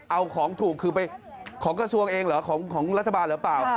เอาของถูกคือไปของกระทรวงเองเหรอของรัฐบาลหรือเปล่า